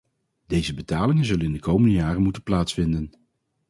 Deze betalingen zullen in de komende jaren moeten plaatsvinden.